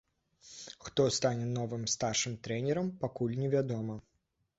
Хто стане новым старшым трэнерам, пакуль невядома.